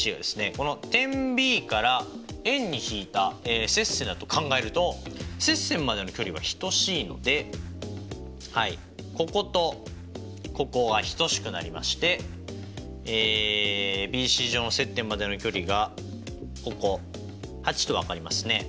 この点Ｂから円にひいた接線だと考えると接線までの距離は等しいのでこことここは等しくなりましてＢＣ上の接点までの距離がここ８と分かりますね。